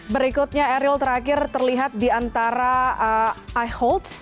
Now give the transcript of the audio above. berikutnya aerial terakhir terlihat di antara i holtz